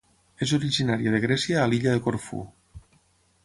És originària de Grècia a l'Illa de Corfú.